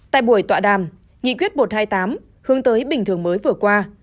tại buổi tọa đàm nghị quyết một trăm hai mươi tám hướng tới bình thường mới vừa qua